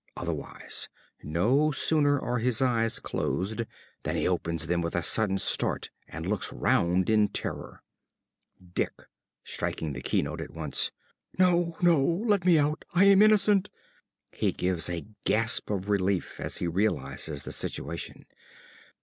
Otherwise, no sooner are his eyes closed than he opens them with a sudden start and looks round in terror._ ~Dick~ (striking the keynote at once). No, no! Let me out I am innocent! (_He gives a gasp of relief as he realises the situation.